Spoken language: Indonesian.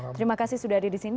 terima kasih sudah ada di sini